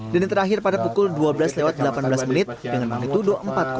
dan yang terakhir pada pukul dua belas delapan belas dengan magnitudo empat lima